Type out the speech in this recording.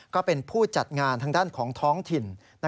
ก็เป็นผู้จัดงานทางด้านของท้องถิ่น